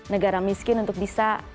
negara miskin untuk bisa